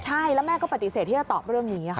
ใช่แล้วแม่ก็ปฏิเสธที่จะตอบเรื่องนี้ค่ะ